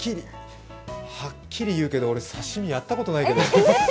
はっきり言うけど俺刺身やったことないけど。